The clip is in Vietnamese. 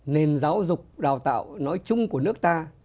nền giáo dục đào tạo nói chung của nước ta